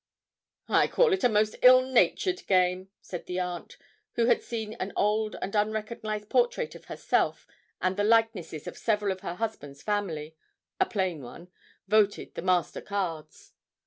'I call it a most ill natured game,' said the aunt, who had seen an old and unrecognised portrait of herself and the likenesses of several of her husband's family (a plain one) voted the master cards.